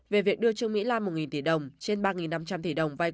về việc đưa trương mỹ lan một tỷ đồng trên ba năm trăm linh tỷ đồng